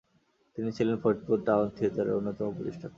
তিনি ছিলেন ফরিদপুর টাউন থিয়েটারে অন্যতম প্রতিষ্ঠাতা।